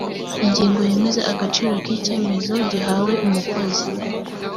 ingingo yemeza agaciro k ‘icyemezo gihawe umukozi